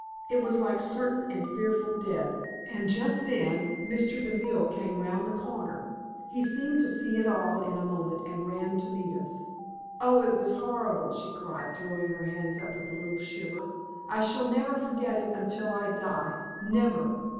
It was like certain and fearful death, and just then Mr. Deville came round the corner. He seemed to see it all in a moment, and ran to meet us. Oh, it was horrible!" she cried, throwing her hands up with a little shiver. "I shall never forget it until I die. Never!"